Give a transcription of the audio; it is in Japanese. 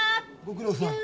ご苦労さん。